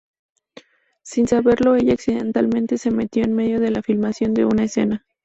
Sin saberlo ella accidentalmente se metió en medio de la filmación de una escena.